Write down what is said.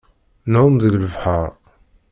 Nεumm deg lebḥer.